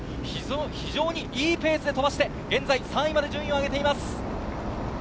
非常にいいペースでとばして現在３位まで順位を上げています。